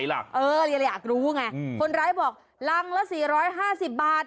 เลยอยากรู้ไงคนร้ายบอกรังละ๔๕๐บาท